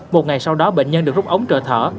một ngày sau đó bệnh nhân được rút ống trợ thở